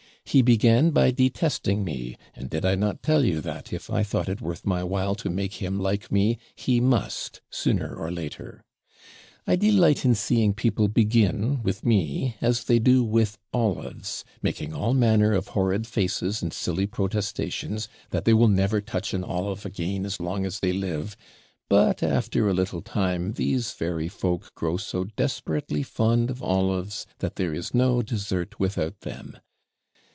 'He began by detesting me, and did I not tell you that, if I thought it worth my while to make him like me, he must, sooner or later. I delight in seeing people begin with me as they do with olives, making all manner of horrid faces and silly protestations that they will never touch an olive again as long as they live; but, after a little time, these very folk grow so desperately fond of olives, that there is no dessert without them.